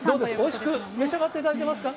おいしく召し上がっていただいてますか？